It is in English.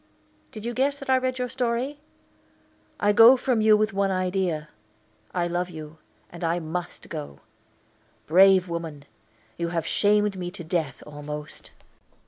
Did you guess that I read your story? I go from you with one idea; I love you, and I must go. Brave woman! you have shamed me to death almost."